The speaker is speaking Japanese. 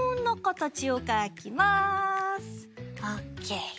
オッケー！